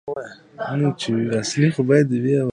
واوره د افغانستان د ملي هویت یوه نښه ده.